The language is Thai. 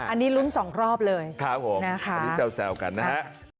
อันนี้ลุ้นสองรอบเลยครับผมอันนี้แซวกันนะฮะ